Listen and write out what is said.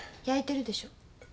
焼いてるでしょ？